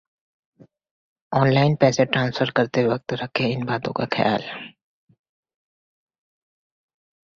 online पैसे transfer करते वक्त रखें इन बातों का ख्याल